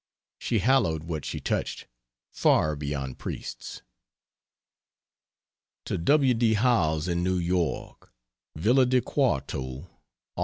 She hallowed what she touched, far beyond priests." To W. D. Howells, in New York: VILLA DI QUARTO, '04.